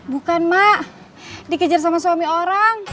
bukan mak dikejar sama suami orang